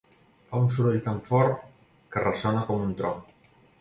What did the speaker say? Fa un soroll tan fort que ressona com un tro.